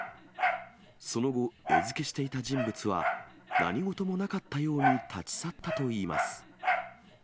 その後、餌付けしていた人物は、何事もなかったように立ち去ったといいます。